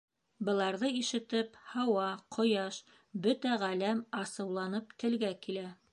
Быларҙы ишетеп Һауа, Ҡояш, бөтә Ғаләм асыуланып телгә килә.